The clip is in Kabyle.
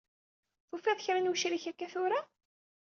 Tufiḍ-d kra n wecrik akka tura?